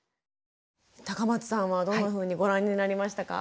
高松さんはどんなふうにご覧になりましたか？